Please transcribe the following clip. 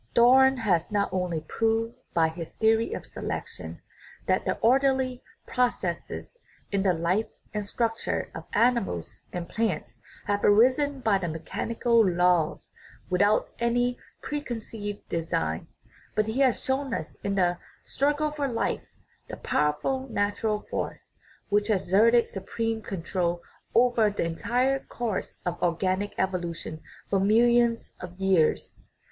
Darwin has not only proved by his theory of selection that the orderly processes in the life and structure of animals and plants have arisen by mechanical laws without any preconceived design, but he has shown us in the " struggle for life " the pow erful natural force which has exerted supreme control over the entire course of organic evolution for millions of years.